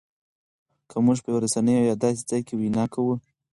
که مونږ په یوه رسنۍ او یا داسې ځای کې وینا کوو